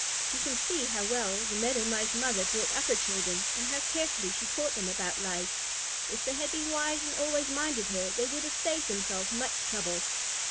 You can see how well the Meadow Mouse mother brought up her children, and how carefully she taught them about life. If they had been wise and always minded her, they would have saved themselves much trouble.